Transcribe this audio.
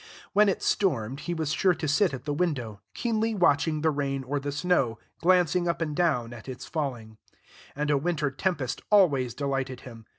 When it stormed, he was sure to sit at the window, keenly watching the rain or the snow, glancing up and down at its falling; and a winter tempest always delighted him.